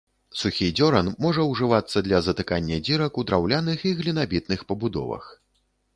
Сухі дзёран можа ўжывацца для затыкання дзірак у драўляных і глінабітных пабудовах.